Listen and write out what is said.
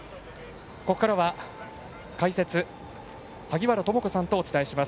ここからは、解説萩原智子さんとお伝えします。